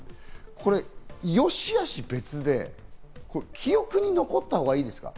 善し悪し別で、記憶に残ったほうがいいですか？